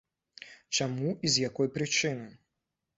Чаму і з якой прычыны?